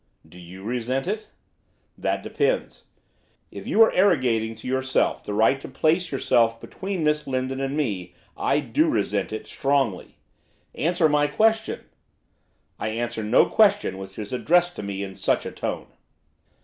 'Do you resent it?' 'That depends. If you are arrogating to yourself the right to place yourself between Miss Lindon and me, I do resent it, strongly.' 'Answer my question!' 'I answer no question which is addressed to me in such a tone.